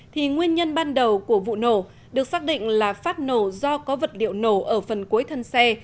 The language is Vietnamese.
thì nguyên nhân ban đầu của vụ nổ được xác định là phát nổ do có vật liệu nổ ở phần cuối thân xe